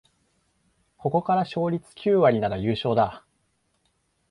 ここから勝率九割なら優勝だ